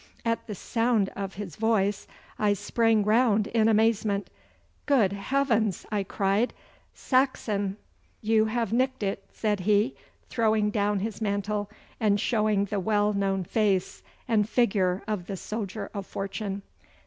At the sound of his voice I sprang round in amazement. 'Good Heavens!' I cried, 'Saxon!' 'You have nicked it,' said he, throwing down his mantle and showing the well known face and figure of the soldier of fortune.